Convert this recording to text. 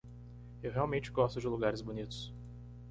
eu realmente gosto de lugares bonitos